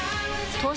東芝